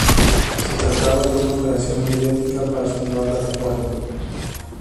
Se trataba de una operación mediática para su nueva plataforma.